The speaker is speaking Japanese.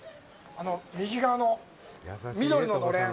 あの右側の、緑ののれん。